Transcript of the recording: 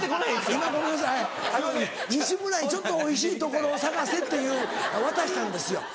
今ごめんなさい西村にちょっとおいしいところを探せっていう渡したんですよ。